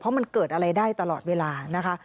เพราะมันเกิดอะไรได้ตลอดเวลานะคะ